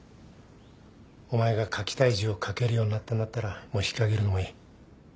お前が書きたい字を書けるようになったんだったらもう引き揚げるのもいい。